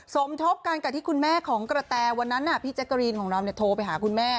สมทบกันกับที่คุณแม่ของกระแตวันนั้นพี่แจ๊กกะรีนของเราโทรไปหาคุณแม่